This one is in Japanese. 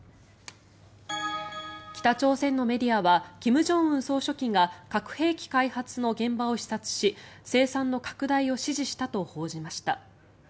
北朝鮮のメディアは金正恩総書記が核兵器開発の現場を視察し生産の拡大を指示したと報じました。